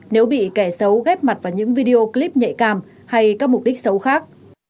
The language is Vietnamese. nếu bị kẻ xấu ghép mặt vào những video clip nhạy cảm hay các mục đích xấu khác